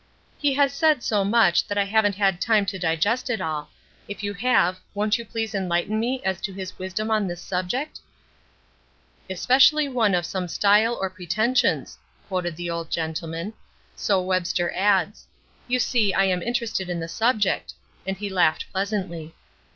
"He has said so much that I haven't had time to digest it all. If you have, won't you please enlighten me as to his wisdom on this subject?" "'Especially one of some style or pretensions,'" quoted the old gentleman, "so Webster adds. You see I am interested in the subject," and he laughed pleasantly.